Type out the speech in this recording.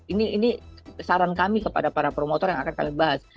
ini saran kami kepada para promotor yang akan kami bahas